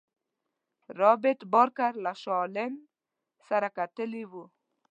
رابرټ بارکر له شاه عالم سره کتلي وه.